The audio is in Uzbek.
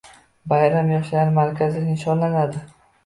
Bayram yoshlar markazida nishonlandi